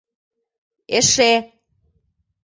Эше...